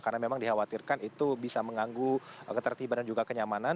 karena memang dikhawatirkan itu bisa menganggu ketertiban dan juga kenyamanan